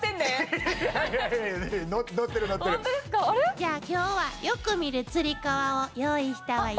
じゃあ今日はよく見るつり革を用意したわよ。